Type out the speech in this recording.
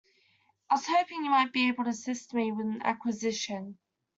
I was hoping you might be able to assist me with an acquisition.